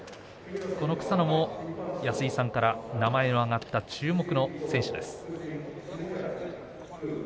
この草野も安井さんから名前が上がった注目の選手です。